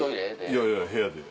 いやいや部屋で。